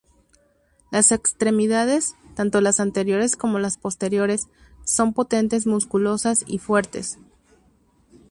Las extremidades, tanto las anteriores como las posteriores, son potentes, musculosas y fuertes.